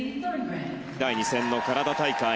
第２戦のカナダ大会。